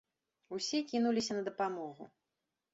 Усе кінуліся на дапамогу.